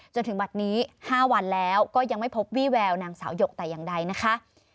จนถึงบัตรนี้๕วันแล้วก็ยังไม่พบวี่แววนางสาวหยกแต่อย่างใดนะคะ